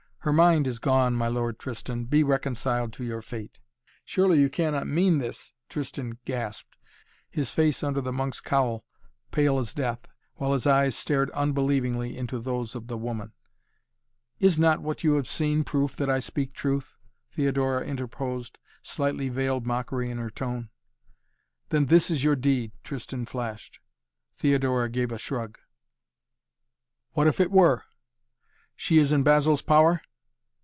Her mind is gone, my Lord Tristan! Be reconciled to your fate!" "Surely you cannot mean this?" Tristan gasped, his face under the monk's cowl pale as death, while his eyes stared unbelievingly into those of the woman. "Is not what you have seen, proof that I speak truth?" Theodora interposed, slightly veiled mockery in her tone. "Then this is your deed," Tristan flashed. Theodora gave a shrug. "What if it were?" "She is in Basil's power?"